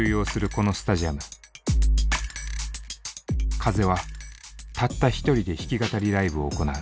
風はたった１人で弾き語りライブを行う。